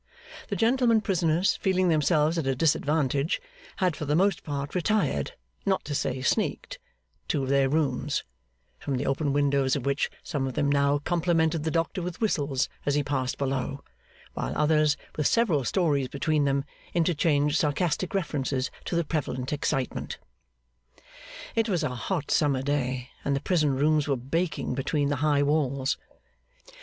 The gentlemen prisoners, feeling themselves at a disadvantage, had for the most part retired, not to say sneaked, to their rooms; from the open windows of which some of them now complimented the doctor with whistles as he passed below, while others, with several stories between them, interchanged sarcastic references to the prevalent excitement. It was a hot summer day, and the prison rooms were baking between the high walls.